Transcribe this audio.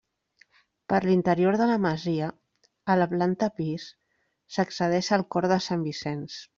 Per l'interior de la masia, a la planta pis, s'accedeix al cor de Sant Vicenç.